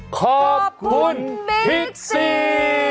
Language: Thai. ขอบคุณมิกซี